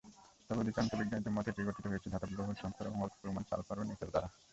তবে অধিকাংশ বিজ্ঞানীর মতে এটি গঠিত হয়েছে ধাতব লৌহ সংকর এবং অল্প পরিমাণ সালফার ও নিকেল দ্বারা।